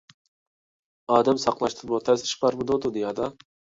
ئادەم ساقلاشتىنمۇ تەس ئىش بارمىدۇ دۇنيادا؟